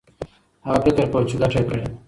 هغه فکر کاوه چي ګټه یې کړې ده.